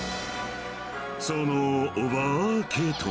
そのお化けとは。